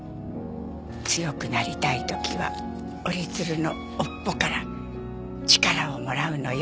「強くなりたい時は折り鶴の尾っぽから力をもらうのよ」